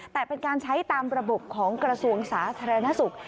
แต่เป็นการใช้ตามระบบของกระทรวงสาธารณสุข